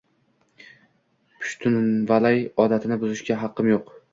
Pushtunvalay odatini buzishga haqim yo’q.